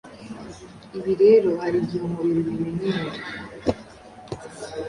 Ibi rero hari igihe umubiri ubimenyera